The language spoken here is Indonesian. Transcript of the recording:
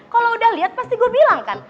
kalo udah liat pasti gue bilang kan